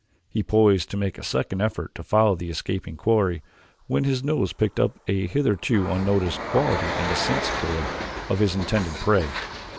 He poised to make a second effort to follow his escaping quarry when his nose picked up a hitherto unnoticed quality in the scent spoor of his intended prey.